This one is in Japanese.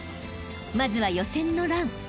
［まずは予選のラン